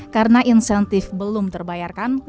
karena insentif belum terbayarkan